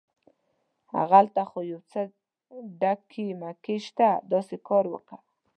هغلته خو یو څه ډکي مکي شته، داسې کار وکه.